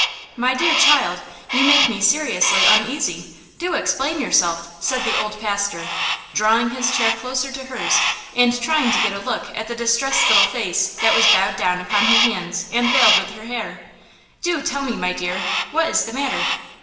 "My dear child, you make me seriously uneasy; do explain yourself," said the old pastor, drawing his chair closer to hers and trying to get a look at the distressed little face that was bowed down upon her hands and veiled with her hair; "do tell me, my dear, what is the matter."